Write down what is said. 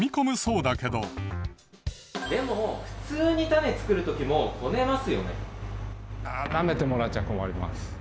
でも普通にタネ作る時もこねますよね？